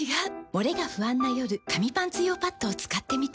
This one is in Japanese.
モレが不安な夜紙パンツ用パッドを使ってみた。